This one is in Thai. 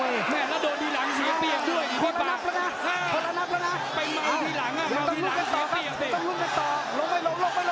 เอาไปยังไงมัดขวาตัวกวาขวาตัวกวา